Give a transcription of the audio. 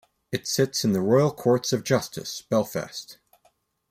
It sits in the Royal Courts of Justice, Belfast.